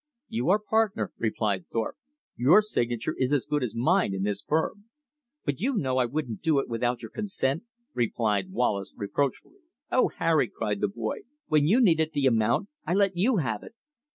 "You are partner," replied Thorpe, "your signature is as good as mine in this firm." "But you know I wouldn't do it without your consent," replied Wallace reproachfully. "Oh, Harry!" cried the boy, "when you needed the amount, I let you have it!"